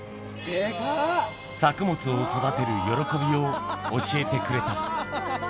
作物を育てる喜びを教えてくれた。